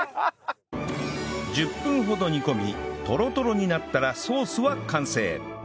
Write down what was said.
１０分ほど煮込みトロトロになったらソースは完成